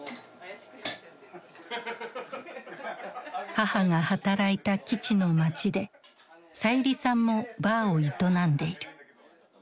母が働いた基地の街でさゆりさんもバーを営んでいる。